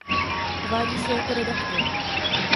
Uvádí se jako redaktor.